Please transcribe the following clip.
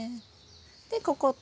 でここと。